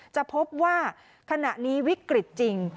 จะพบว่าขณะนี้วิกฤตจริง